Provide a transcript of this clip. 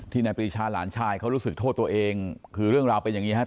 นายปรีชาหลานชายเขารู้สึกโทษตัวเองคือเรื่องราวเป็นอย่างนี้ครับ